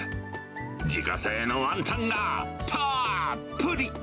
自家製のワンタンがたっぷり。